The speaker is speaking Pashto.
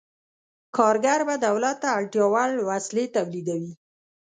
کارګر به دولت ته اړتیا وړ وسلې تولیدوي.